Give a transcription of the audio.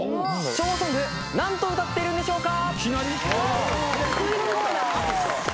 昭和ソング何と歌ってるんでしょうか？